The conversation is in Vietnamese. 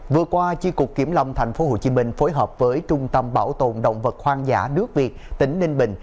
vừa qua chi cục kiểm lâm tp hcm phối hợp với trung tâm bảo tồn động vật hoang dã nước việt tỉnh ninh bình